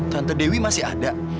tante dewi masih ada